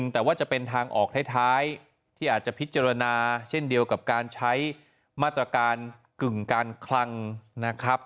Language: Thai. แต่ว่าจะเป็นทางออกท้ายที่อาจจะพิจารณาเช่นเดียวกับการใช้มาตรการกึ่งการคลังนะครับ